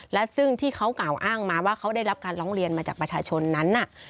และซึ่งที่เขากล่าวอ้างมาว่าเขาได้รับการร้องเรียนมาจากประชาชนนั้นน่ะ